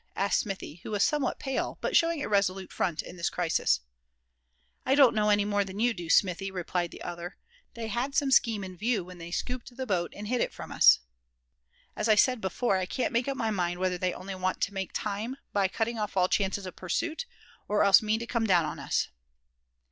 asked Smithy, who was somewhat pale, but showing a resolute front in this crisis. "I don't know any more than you do, Smithy," replied the other; "they had some scheme in view when they scooped the boat, and hid it from us. As I said before, I can't make up my mind whether they only want to make time by cutting off all chances of pursuit; or else mean to come down on us."